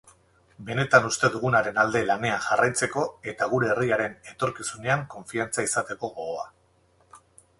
Benetan uste dugunaren alde lanean jarraitzeko eta gure herriaren etorkizunean konfiantza izateko gogoa.